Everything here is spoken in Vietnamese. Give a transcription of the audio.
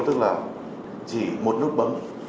tức là chỉ một nút bấm